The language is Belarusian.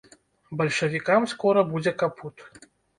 Бальшавікам скора будзе капут.